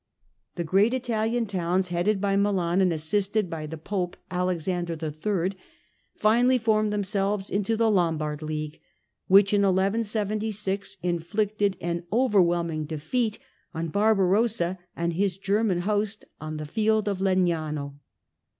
The great Italian towns, 20 STUPOR MUNDI headed by Milan and assisted by the Pope Alexander III, finally formed themselves into the Lombard League, which, in 1176, inflicted an overwhelming defeat on Barbarossa and his German host on the field of Legnano.